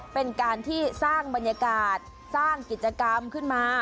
เป็นการที่สร้างบรรยากาศสร้างกิจกรรมขึ้นมา